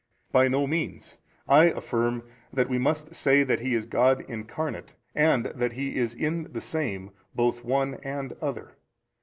A. By no means: I affirm that we must say that He is God Incarnate, and that He is in the Same both One and Other.